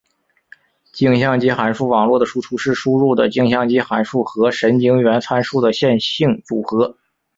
径向基函数网络的输出是输入的径向基函数和神经元参数的线性组合。